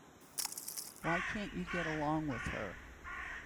Why can't you get along with her?